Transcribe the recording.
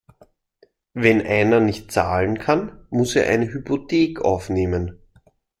Wenn einer nicht zahlen kann, muss er eine Hypothek aufnehmen.